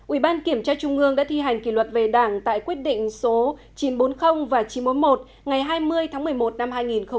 ubkt đã thi hành kỷ luật về đảng tại quyết định số chín trăm bốn mươi và chín trăm một mươi một ngày hai mươi tháng một mươi một năm hai nghìn một mươi tám